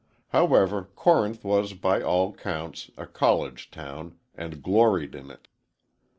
However, Corinth was by all counts, a college town, and gloried in it.